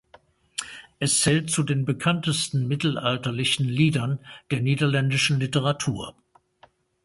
Es zählt zu den bekanntesten mittelalterlichen Liedern der niederländischen Literatur.